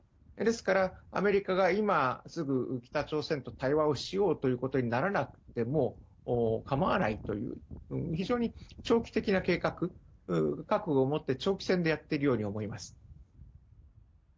ですから、アメリカが今すぐ北朝鮮と対話をしようということにならなくてもかまわないという、非常に長期的な計画、覚悟を持って、長期戦でやっているように思います。